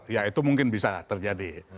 ya itu mungkin bisa terjadi